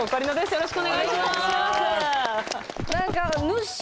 よろしくお願いします。